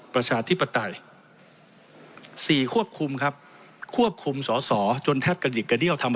ประชาธิปไตยสี่ควบคุมครับควบคุมสอสอจนแทบกระดิกกระเดี้ยวทำ